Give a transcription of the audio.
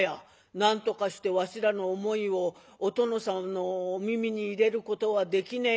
なんとかしてわしらの思いをお殿さんのお耳に入れることはできねえかなって。